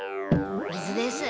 水です。